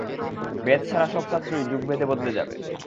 বেদ ছাড়া আর সব শাস্ত্রই যুগভেদে বদলে যাবে।